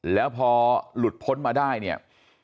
แล้วพอหลุดพ้นมาได้เนี่ย